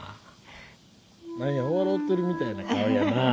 何や笑てるみたいな顔やなあ。